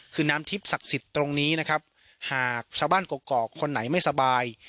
คือน้ำทิพย์ศักดิ์สิทธิ์ตรงนี้นะครับหากชาวบ้านกรกคนไหนไม่สบาย